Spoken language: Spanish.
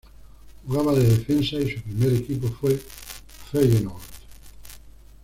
Jugaba de defensa y su primer equipo fue Feyenoord.